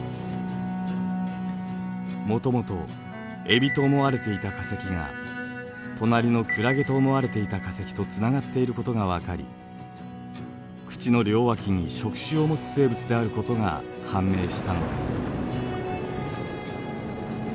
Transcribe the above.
もともとエビと思われていた化石が隣のクラゲと思われていた化石とつながっていることが分かり口の両脇に触手を持つ生物であることが判明したのです。